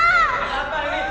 ada apa ini